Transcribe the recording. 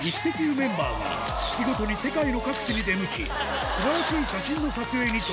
メンバーが月ごとに世界の各地に出向き素晴らしい写真の撮影に挑戦